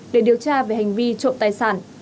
để điều tra về hành vi trộm tài sản